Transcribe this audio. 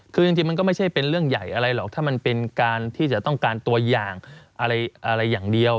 คือจริงมันก็ไม่ใช่เป็นเรื่องใหญ่อะไรหรอกถ้ามันเป็นการที่จะต้องการตัวอย่างอะไรอย่างเดียว